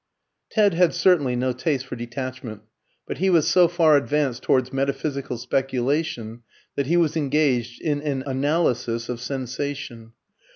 Ted had certainly no taste for detachment, but he was so far advanced towards metaphysical speculation that he was engaged in an analysis of sensation.